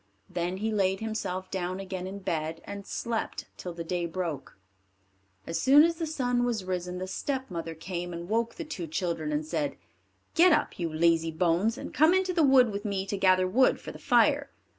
Then he laid himself down again in bed, and slept till the day broke. As soon as the sun was risen, the stepmother came and woke the two children, and said, "Get up, you lazy bones, and come into the wood with me to gather wood for the fire."